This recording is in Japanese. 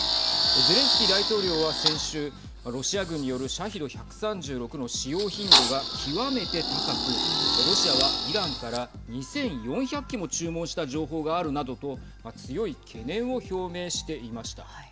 ゼレンスキー大統領は先週ロシア軍によるシャヒド１３６の使用頻度が極めて高くロシアはイランから２４００機も注文した情報があるなどと強い懸念を表明していました。